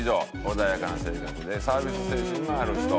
穏やかな性格でサービス精神がある人」